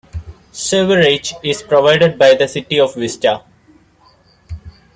Sewerage is provided by the City of Vista.